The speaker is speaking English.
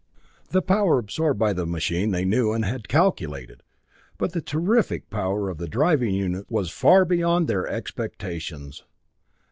The power absorbed by the machine they knew and had calculated, but the terrific power of the driving units was far beyond their expectations.